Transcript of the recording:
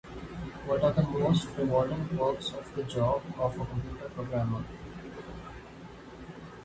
What are the most rewarding perks of the job of a computer programmer?